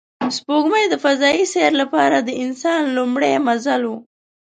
سپوږمۍ د فضایي سیر لپاره د انسان لومړی منزل و